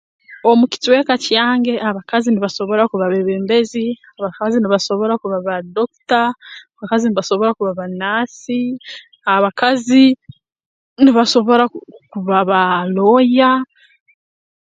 Omu kicweka kyange abakazi nibasobora kuba beebembezi abakazi nibasobora kuba ba dokita abakazi nibasobora kuba ba naasi abakazi nibasobora kuba ba looya